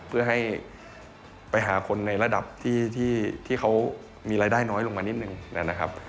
เพื่อให้ไปหาคนในระดับที่เขามีรายได้น้อยลงมานิดนึงนะครับ